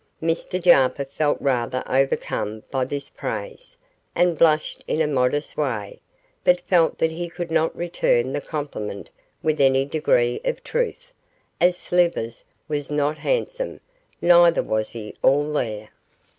Mr Jarper felt rather overcome by this praise, and blushed in a modest way, but felt that he could not return the compliment with any degree of truth, as Slivers was not handsome, neither was he all there.